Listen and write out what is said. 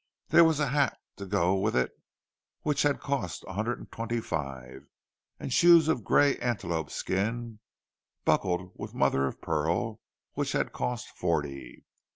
There was a hat to go with it, which had cost a hundred and twenty five, and shoes of grey antelope skin, buckled with mother of pearl, which had cost forty.